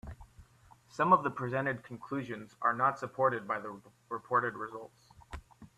Some of the presented conclusions are not supported by the reported results.